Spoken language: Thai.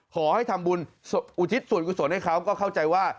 ขอให้ทำบุญอุทิศส่วนกุศลให้เขาก็เข้าใจว่า